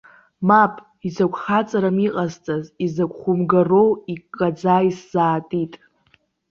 Мап, изакә хаҵарам иҟасҵаз, изакә хәымгароу иккаӡа исзаатит.